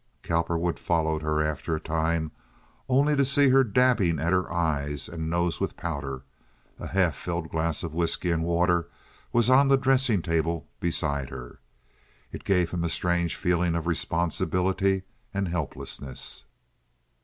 Cowperwood followed her after a time, only to see her dabbing at her eyes and nose with powder. A half filled glass of whisky and water was on the dressing table beside her. It gave him a strange feeling of responsibility and helplessness.